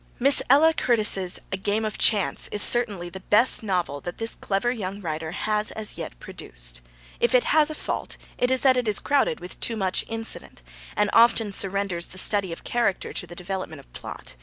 Miss Ella Curtis's A Game of Chance is certainly the best novel that this clever young writer has as yet produced. If it has a fault, it is that it is crowded with too much incident, and often surrenders the study of character to the development of plot.